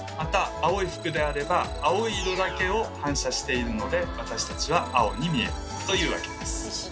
青い服であれば青い色だけを反射しているので私たちは青に見えるというわけです。